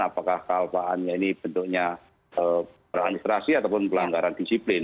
apakah kealpaannya ini bentuknya administrasi ataupun pelanggaran disiplin